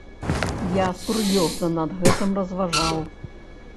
Я сур'ёзна над гэтым разважаў.